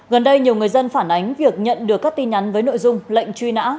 gần đây nhiều người dân phản ánh việc nhận được các tin nhắn với nội dung lệnh truy nã